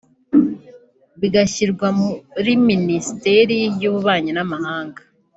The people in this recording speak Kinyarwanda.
bigashyirwa muri Minisiteri y’Ububanyi n’amahanga